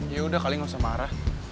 yaudah kali gak usah marah